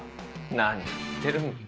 何言ってるん。